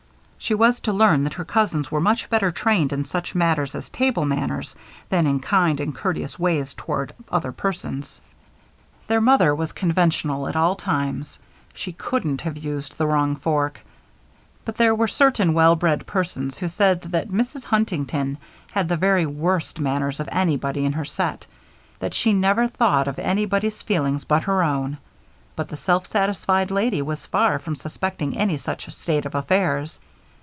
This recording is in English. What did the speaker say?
She was to learn that her cousins were much better trained in such matters as table manners than in kind and courteous ways toward other persons. Their mother was conventional at all times. She couldn't have used the wrong fork. But there were certain well bred persons who said that Mrs. Huntington had the very worst manners of anybody in her set; that she never thought of anybody's feelings but her own; but the self satisfied lady was far from suspecting any such state of affairs.